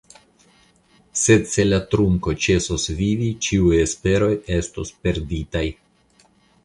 Sed se la trunko ĉesos vivi, ĉiuj esperoj estos perditaj.